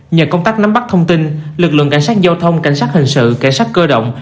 nhờ công tác nắm bắt thông tin lực lượng cảnh sát giao thông cảnh sát hình sự cảnh sát cơ động